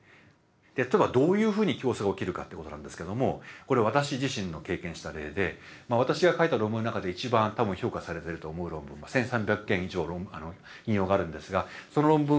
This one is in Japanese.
例えばどういうふうに競争が起きるかってことなんですけどもこれは私自身の経験した例で私が書いた論文の中で一番多分評価されてると思う論文１，３００件以上引用があるんですがその論文を書いてる時のことです。